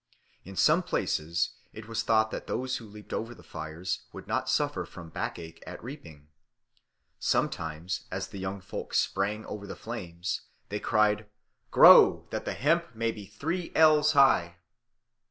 In some places it was thought that those who leaped over the fires would not suffer from backache at reaping. Sometimes, as the young folk sprang over the flames, they cried, "Grow, that the hemp may be three ells high!"